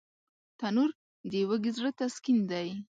تنور د وږي زړه تسکین دی